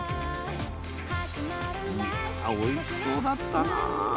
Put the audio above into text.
おいしそうだったな。